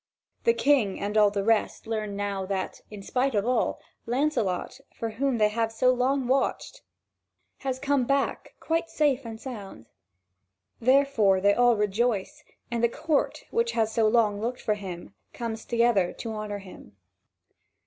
The King and all the rest now learn that, in spite of all, Lancelot, for whom they so long have watched, has come back quite safe and sound. Therefore they all rejoice, and the court, which so long has looked for him, comes together to honour him.